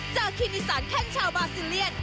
เจ้าคีนิสันแข่งชาวบาซิเลียน